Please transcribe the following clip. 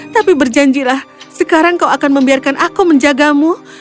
tapi berjanjilah sekarang kau akan membiarkan aku menjagamu